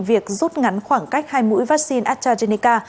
việc rút ngắn khoảng cách hai mũi vaccine astrazeneca